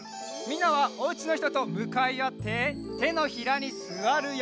みんなはおうちのひととむかいあっててのひらにすわるよ。